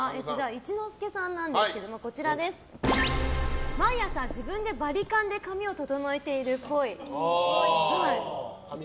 一之輔さんなんですけど毎朝自分でバリカンで髪を整えているっぽい。